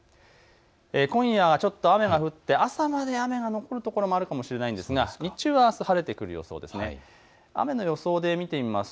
今夜はちょっと雨が降って朝まで雨が残るところもあるかもしれないんですが日中は晴れてくる予想です。